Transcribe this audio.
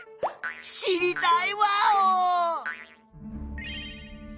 知りたいワオ！